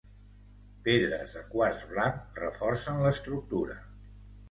Pedres de quars blanc reforcen l'estructura.